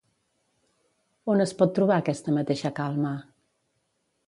On es pot trobar aquesta mateixa calma?